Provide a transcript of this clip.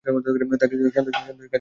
তাকে সান্তোসের কাছে হস্তান্তর করেছি।